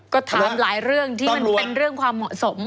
ก็ถามหลายเรื่องที่มันเป็นเรื่องความเหมาะสม